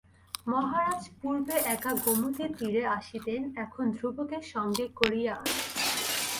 মহারাজ পূর্বে একা গোমতী তীরে আসিতেন, এখন ধ্রুবকে সঙ্গে করিয়া আনেন।